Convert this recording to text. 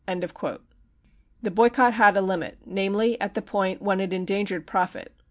3 33 The boycott had a limit — namely, at the point when it endangered profit.